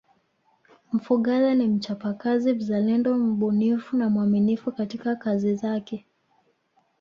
Mfugale ni mchapakazi mzalendo mbunifu na mwaminifu katika kazi zake